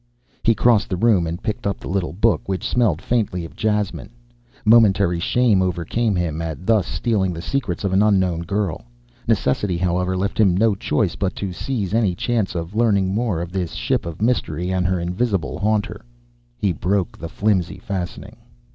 He crossed the room and picked up the little book, which smelled faintly of jasmine. Momentary shame overcame him at thus stealing the secrets of an unknown girl. Necessity, however, left him no choice but to seize any chance of learning more of this ship of mystery and her invisible haunter. He broke the flimsy fastening.